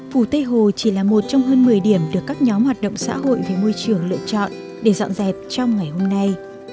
phủ tây hồ chỉ là một trong hơn một mươi điểm được các nhóm hoạt động xã hội về môi trường lựa chọn để dọn dẹp trong ngày hôm nay